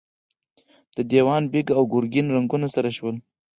د دېوان بېګ او ګرګين رنګونه سره شول.